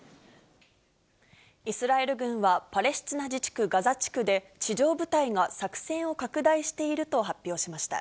イスラエル軍はパレスチナ自治区ガザ地区で、地上部隊が作戦を拡大していると発表しました。